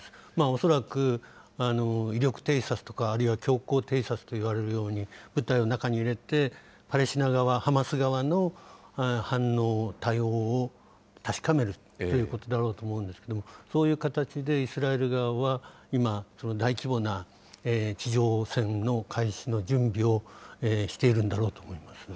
恐らく威力偵察とかきょうこう偵察といわれるように、部隊を中に入れて、パレスチナ側、ハマス側の反応を、対応を確かめるということだろうと思うんですけれども、そういう形でイスラエル側は今、大規模な地上戦の開始の準備をしているんだろうと思います。